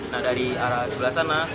nah dari arah sebelah sana